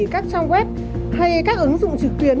các trang web hay các ứng dụng trực tuyến